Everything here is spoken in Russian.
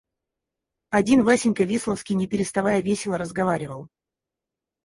Один Васенька Весловский не переставая весело разговаривал.